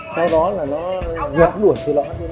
sau đó là nó dọc đuổi xì lón